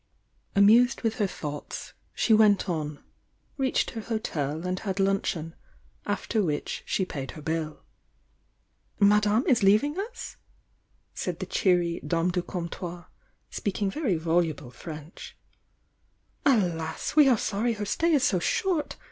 Amused with her thoughts, she went on, reached her hotel and had luncheon, after which she paid her bill. "Madame is leaving us?" said the cheery dame du comptoir, speaking very voluble French. "Alas, we are sorry her stay is so short!